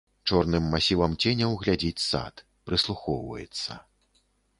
Чорным масівам ценяў глядзіць сад, прыслухоўваецца.